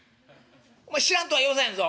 お前知らんとは言わせんぞ。